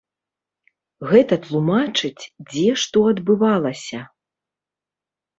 Гэта тлумачыць, дзе што адбывалася.